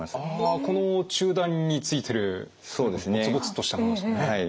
あこの中段についてるゴツゴツとしたものですね。